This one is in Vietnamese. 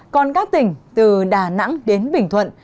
còn các tỉnh từ đà nẵng đến bình thuận